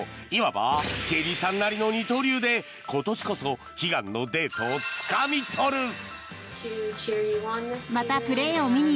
いわばケイリーさんなりの二刀流で今年こそ悲願のデートをつかみ取る。